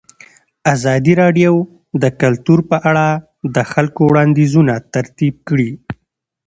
ازادي راډیو د کلتور په اړه د خلکو وړاندیزونه ترتیب کړي.